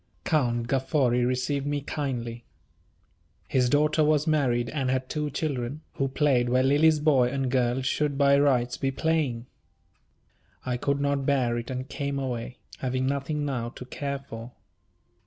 Count Gaffori received me kindly. His daughter was married and had two children, who played where Lily's boy and girl should by rights be playing. I could not bear it, and came away, having nothing now to care for.